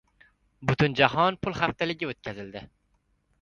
“Butunjahon pul haftaligi” o‘tkaziladi